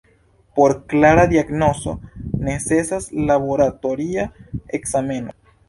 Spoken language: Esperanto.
Por klara diagnozo necesas laboratoria ekzameno.